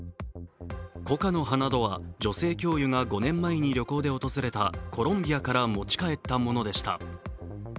コカの葉などは女性教諭が５年前に女性教諭が旅行で訪れたコロンビアから持ち帰ったものでした。